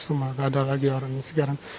semoga gak ada lagi orang sekarang